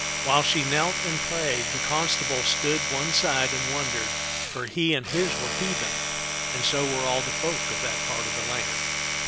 While she knelt and prayed, the constable stood one side and wondered, for he and his were heathen, and so were all the folk of that part of the land.